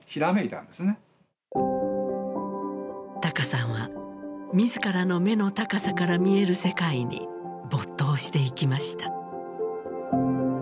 ＴＡＫＡさんは自らの目の高さから見える世界に没頭していきました。